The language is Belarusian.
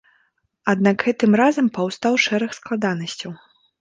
Аднак гэтым разам паўстаў шэраг складанасцяў.